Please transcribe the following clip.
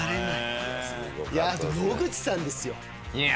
あと野口さんですよ。